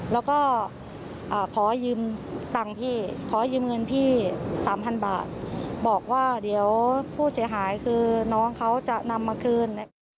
แล้วก็ขอยืมเงินพี่๓๐๐๐บาทบอกว่าเดี๋ยวผู้เสียหายคือน้องเขาจะนำมาคืน